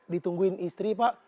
ditungguin istri pak